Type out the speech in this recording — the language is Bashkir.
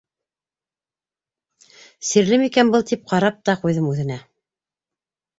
Сирле микән был тип, ҡарап та ҡуйҙым үҙенә...